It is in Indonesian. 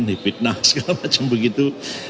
di fitnah segala macam begitu